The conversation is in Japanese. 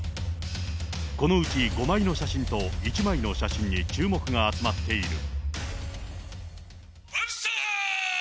このうち５枚の写真と１枚の写真に注目が集まっている。